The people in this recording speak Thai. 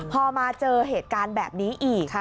พอมาเจอเหตุการณ์แบบนี้อีกค่ะ